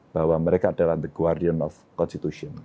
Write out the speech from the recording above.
bahwa mereka adalah pembantuan konstitusi